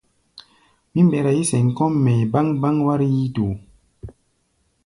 Mí mbɛra yí-sɛm kɔ́ʼm mɛʼi̧ báŋ-báŋ wár yíítoó.